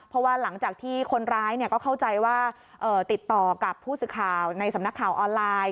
เพราะว่าหลังจากที่คนร้ายก็เข้าใจว่าติดต่อกับผู้สื่อข่าวในสำนักข่าวออนไลน์